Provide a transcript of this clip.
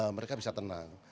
mereka bisa tenang